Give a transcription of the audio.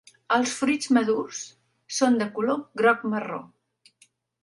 Els fruits madurs són de color groc-marró.